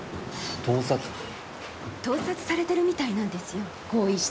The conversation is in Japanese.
盗撮されてるみたいなんですよ更衣室。